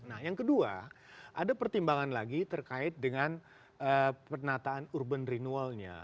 nah yang kedua ada pertimbangan lagi terkait dengan penataan urban renewalnya